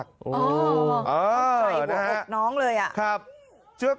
อ๋อคงใจกว่าอดน้องเลย